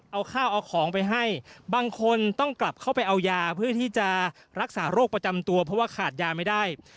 เอาข้าวเอาของไปให้บางคนต้องกลับเข้าไปเอายาเพื่อที่จะรักษาโรคประจำตัวเพราะว่าขาดยาไม่ได้